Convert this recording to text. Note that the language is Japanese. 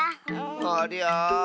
ありゃあ。